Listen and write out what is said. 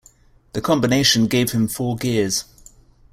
The combination gave him four gears.